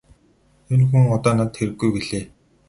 Энэ хүн одоо надад хэрэггүй -гэлээ.